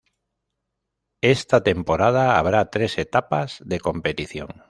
Esta temporada habrá tres etapas de competición.